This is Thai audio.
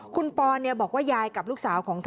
คุณปอนบอกว่ายายกับลูกสาวของเธอ